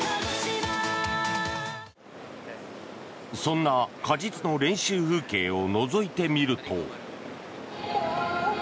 そんな鹿実の練習風景をのぞいてみると。